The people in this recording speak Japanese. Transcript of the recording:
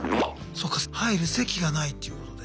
そっか入る籍がないっていうことで。